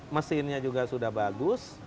mesinnya juga sudah bagus